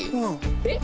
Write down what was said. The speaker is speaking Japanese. えっ？